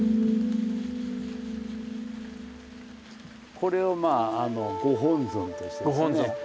これをまあご本尊としてですね。